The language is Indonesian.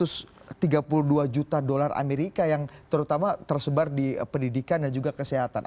satu ratus tiga puluh dua juta dolar amerika yang terutama tersebar di pendidikan dan juga kesehatan